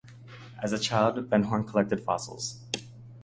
As a child, Van Horne collected fossils.